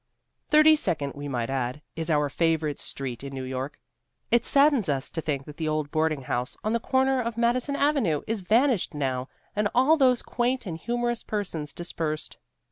Thirty second, we might add, is our favourite street in New York. It saddens us to think that the old boarding house on the corner of Madison Avenue is vanished now and all those quaint and humorous persons dispersed.